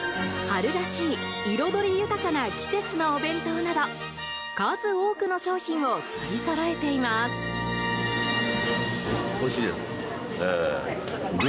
春らしい彩り豊かな季節のお弁当など数多くの商品を取りそろえています。